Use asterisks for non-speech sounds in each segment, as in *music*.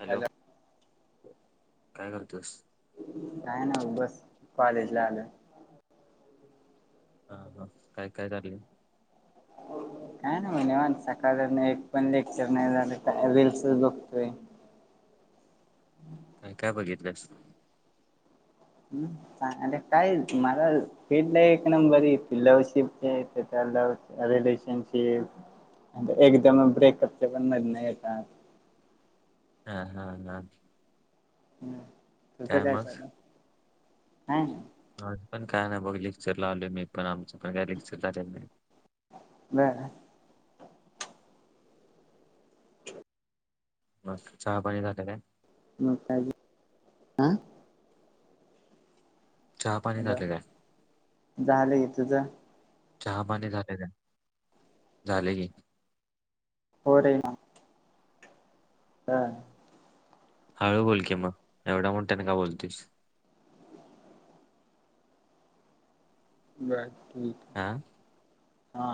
Hello काय करतोस? काय नाय बस कॉलेज ला आलोय. हा हा काय काय करालय? काय नाय ब निवांत सकाळधरण एक पण लेक्चर नाही झालं काय रील्सच बघतोय. काय काय बघितलंस? हुं आ आता काय मला फेड एक नंबरी लवशिप *unintelligible* लव रिलेशनशिप एकदा मग ब्रेकअपचे पण मदन येतात. हा, हा, हा हम् तुझं काय चालू हाय काही नाही मी पण काय नाही बघ लेक्चरला आलोय मी पण आमचं पण काय लेक्चर झालेल नाही बर बस चहा पाणी झाल काय मग काय अजून आ चहा पाणी झालं काय झाल की तुझं चहापाणी झालय काय झालं की होय रे ना हा हळू बोल की मग एवढ्या मोठ्यान‌‌ का बोलतेस *unintelligible* बस ठीक हा आहे हा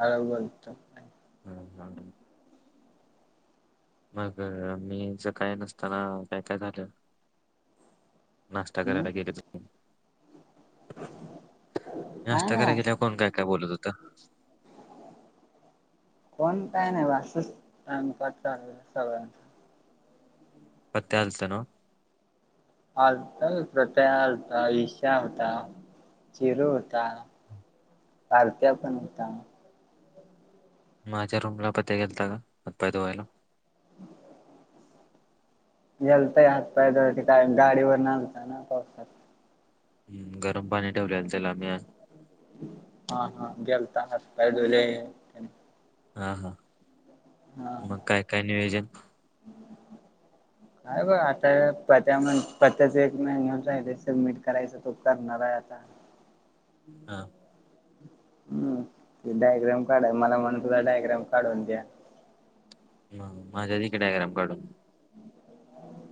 हळु बोलतोय नाही हा, ह मग मीच सकाळी नसताना काय काय झालं नाश्ता हम्म करला गेलच काय नाश्ता नाही कराला असं गेल्यावर कोण काय, काय बोलत होत का? कोण काही नाही बघ टाईमपास चालू सगळ्यांचा पत्या आलता नव्ह आलता पत्त्या आलता विश्या आलता चिरू होता परत्या पण होता माझ्या रूमला पत्या गेलता हातपाय धुवायला गेलता हातपाय धुहायला तिथं गाडीन वर आलता ना पावसात हम्म घर हा, हा गेलता हातपाय दुहाईले हा, हा मग काय, काय नियोजन *unintelligible* काय मग आता पत्या म्हण पत्याच एक महिन्याचं आहे सबमिट करायच तो करणार आहे आता हा हम्म डायग्राम काढाय‌ मला म्हणला डायग्राम काढून द्या मग माझ दि की डायग्राम काढून *unintelligible*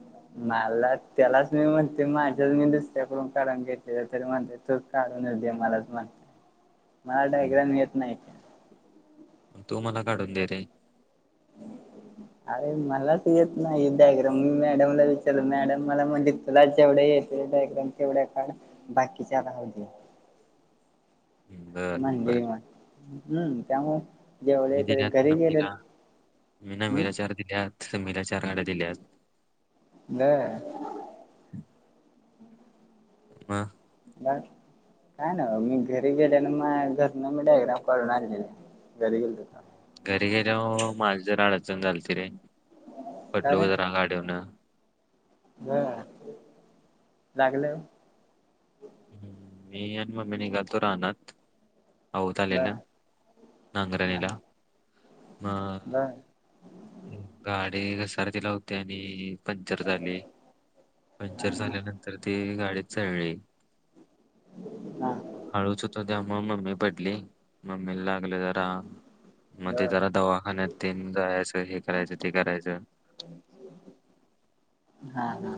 मला त्यालाच मी म्हणतोय माझं मी दुसऱ्याकडून काढून घेतलेलं तरी म्हणते तूच काढ काढून न दे मलाच म्हणतोय *unintelligible* मला हम्म डायग्राम येत नाही मग तू मला काढून दे रे अरे मलाच येत नाही डायग्राम मी मॅडमला विचारुन मॅडम मला म्हणज तुलाच एवढे एकदम डायग्राम तेवढ्या काढ बाकीच्या राहू दे *unintelligible* बर बर म्हणजे मग हम्म त्यामुळ‌ जेवढ मी ते दिल्यात घरी गेले नमीला मी हम्म नमीला चार दिल्यात संमीला चार आठ दिल्यात बर म मग काय ना मी घरी गेल्यान माझ घर न डायग्राम काढून आणलेलं घरी गेल त सन झालत ति रे का पडलो रे जरा गाडीवरन बर लागलं मी आणि मम्मी निघातो रानात आऊत आलेलं बर नांगरणीला मग बर गाडी घसारतीला हुती आणि पंक्चर झाली हा पंक्चर हा झाल्यानंतर ती गाडी चळली हा हळूचूत त्या म मम्मी पदली मम्मी लाग तरा मग ते बर जला दवाखान्यात तन जायचं हे करायचं ते करायचं हा हा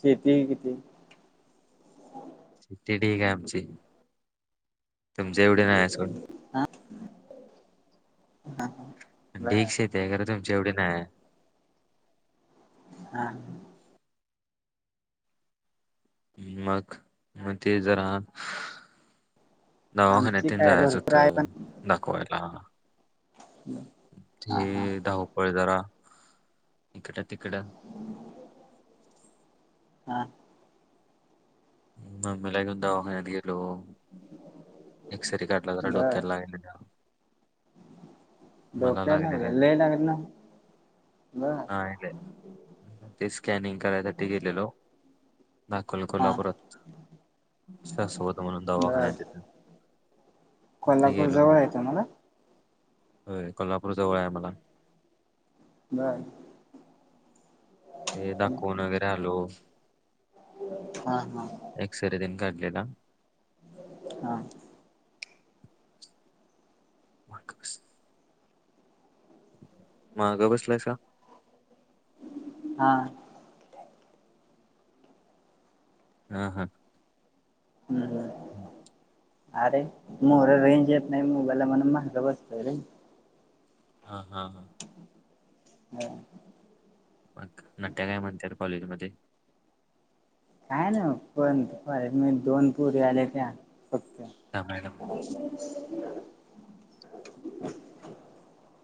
शेती किती चितीे ठी का आमची तुमचे एवढे नाही असून हा हा बर ्स येत खरं तुमच्या एवढी नाही हा मग मग ते जरा आमची दवाखान्यात काय जायचं भरपूर आहे पण होतं दाखवायला हा हा हे धावपळ जरा इकड तिकडं हा आमेलागे दवाघ गेल एक्सरी काटला तर बर डुकलाग डोक्या ना ललेटग ना बर हा ते स्कॅनिंग करायसाठी गेलेलो दाखल करला हा परत शस होत म्हणून दवाखान्या बर येतं कोल्हापूर जवळ येतं मला हो कोल्हापूर जवळ आहे मला बाय ते दाखवून वगैरे आलो हा हा एक्सरे देन का ला हा वारकस म गबसलाय का हा हा हा हम् हम हम्म अरे मोर रेंज येत नाही मोबाईलला म्हण महागा बसत रे हा हा हा हा मग नाट्या काय म्हणते कॉलेज मध्ये काय ना पणर मी दोन पुरी आले त्या फक्त हा म *unintelligible*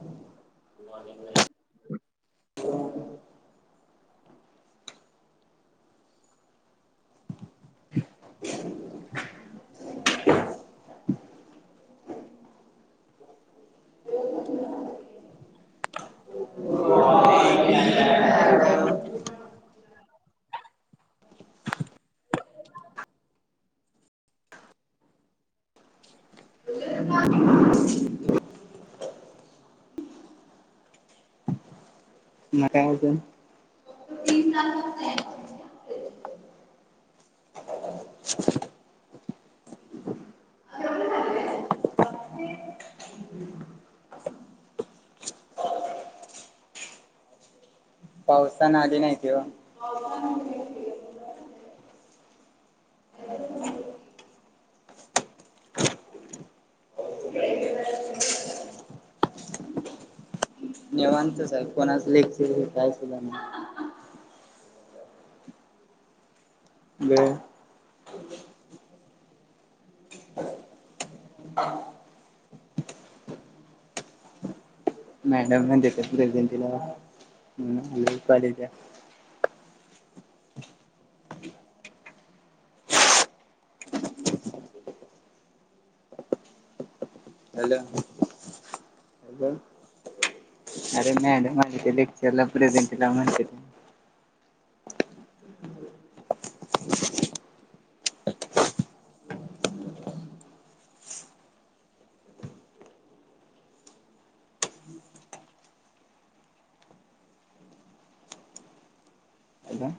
ह गुड मॉर्निंग मॅम *unintelligible* हो *unintelligible* म कायत *unintelligible* पावसान आली नाहीतीव मवत साहेब कोणाच लेख हे काय सुध ब मॅडम गजंटीन कॉज हला अजून अरे मॅडम आल्या लेक्चर प्रेझेंटी ला म्हणत्यात हॅलो